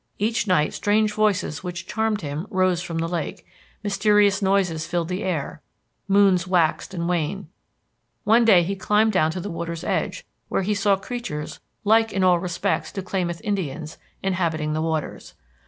Each night strange voices which charmed him rose from the lake; mysterious noises filled the air. Moons waxed and waned. One day he climbed down to the water's edge, where he saw creatures "like in all respects to Klamath Indians" inhabiting the waters.